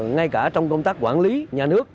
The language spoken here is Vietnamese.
ngay cả trong công tác quản lý nhà nước